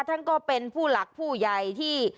ท่านก็เป็นผู้หลักผู้ใหญ่ที่